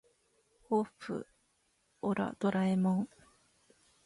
おっふオラドラえもん